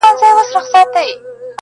كله، كله يې ديدن تــه لـيونـى سم.